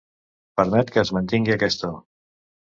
Permet que es mantingui aquest to.